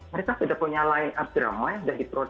mereka sudah punya line up drama sudah hitro